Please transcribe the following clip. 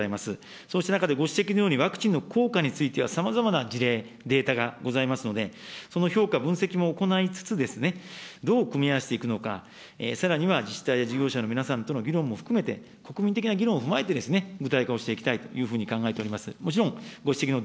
そうした中でご指摘のようにワクチンの効果については、さまざまな事例、データがございますので、その評価・分析も行いつつ、どう組み合わせていくのか、さらには自治体や事業者の皆さんの議論も含めて、国民的な議論を踏まえて、具体化をしていきたいというふうに考えております。